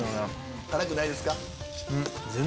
辛くないですか？